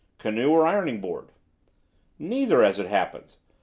Canoe or ironing board?" "Neither, as it happens.